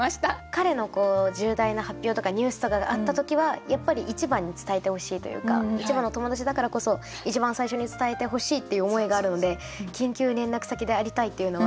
彼の重大な発表とかニュースとかがあった時はやっぱり一番に伝えてほしいというか一番の友達だからこそ一番最初に伝えてほしいっていう思いがあるので「緊急連絡先でありたい」っていうのは